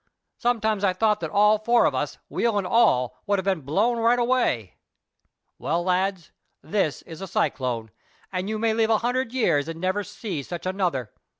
Sometimes I thought that all four of us, wheel and all, would have been blown right away. "Well, lads, this is a cyclone, and you may live a hundred years and never see such another.